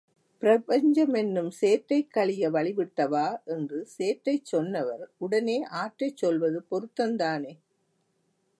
பிரபஞ்சமென்னும் சேற்றைக் கழிய வழி விட்டவா என்று சேற்றைச் சொன்னவர் உடனே ஆற்றைச் சொல்வது பொருத்தந்தானே?